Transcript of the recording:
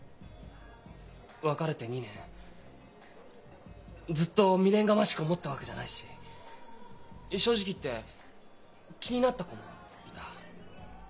別れて２年ずっと未練がましく思ってたわけじゃないし正直言って気になった子もいた。